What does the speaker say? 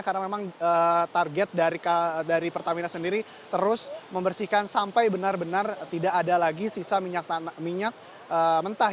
karena memang target dari pertamina sendiri terus membersihkan sampai benar benar tidak ada lagi sisa minyak mentah